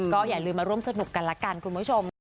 ก็อย่าลืมมาร่วมสนุกกันละกันคุณผู้ชม